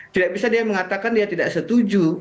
tidak bisa dia mengatakan dia tidak setuju